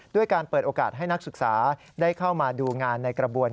ด้วยการเปิดโอกาสให้นักศึกษาได้เข้ามาดูงานในกระบวน